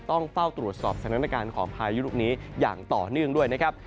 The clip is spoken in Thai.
ต้องเฝ้าตรวจสอบสถานการณ์ของพายุลูกนี้อย่างต่อเนื่องด้วยนะครับ